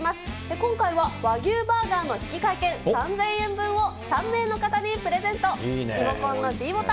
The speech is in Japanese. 今回は和牛バーガーの引換券３０００円分を３名の方にプレゼント。